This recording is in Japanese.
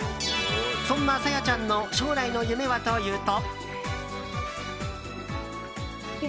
そんなＳａｙａちゃんの将来の夢はというと？